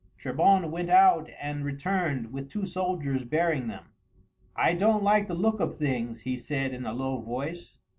Trebon went out and returned with two soldiers bearing them. "I don't like the look of things," he said in a low voice.